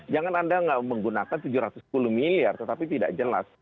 jangan anda menggunakan tujuh ratus sepuluh miliar tetapi tidak jelas